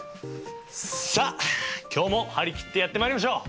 さあ今日も張り切ってやってまいりましょう！